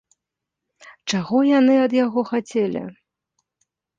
Чаго яны ад яго хацелі?